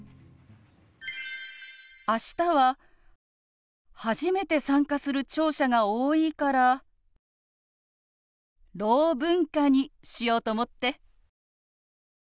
明日は初めて参加する聴者が多いから「ろう文化」にしようと思って。